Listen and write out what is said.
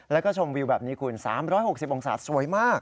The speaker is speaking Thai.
แล้วก็ชมวิวแบบนี้คุณ๓๖๐องศาสวยมาก